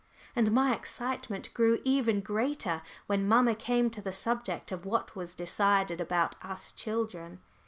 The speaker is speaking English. And my excitement grew even greater when mamma came to the subject of what was decided about us children.